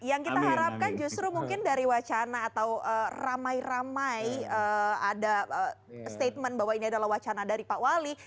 yang kita harapkan justru mungkin dari wacana atau ramai ramai ada statement bahwa ini adalah wacana dari pak wali